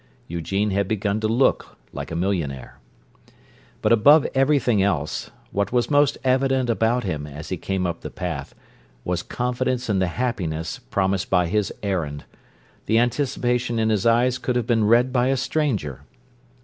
Eugene had begun to look like a millionaire. But above everything else, what was most evident about him, as he came up the path, was confidence in the happiness promised by his errand; the anticipation in his eyes could have been read by a stranger.